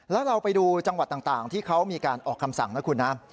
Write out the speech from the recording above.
แล้วเราไปดูจังหวัดต่างที่เขามีการออกคำสั่งนะคุณนะ